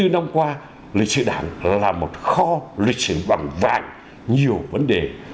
chín mươi bốn năm qua lịch sử đảng là một kho lịch sử bằng vàng nhiều vấn đề